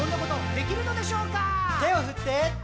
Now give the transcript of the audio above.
「手を振って」